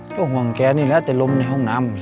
ก็ห่วงแกนี่แหละแต่ลมในห้องน้ำ